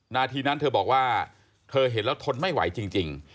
นาทีนั้นเธอบอกว่าเธอเห็นแล้วทนไม่ไหวจริง